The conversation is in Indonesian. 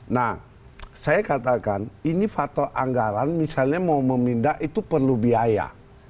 nah saya katakan ini faktor anggaran misalnya mau memindah itu perlu biaya